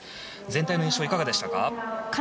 全体の印象はいかがでしたか？